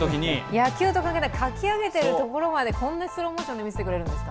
野球と関係ない、かき上げているところまでスローモーションで見せてくれるんですか。